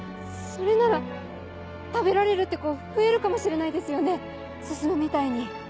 それなら食べられるって子増えるかもしれないですよね進みたいに。